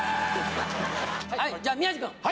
はい、じゃあ宮治君。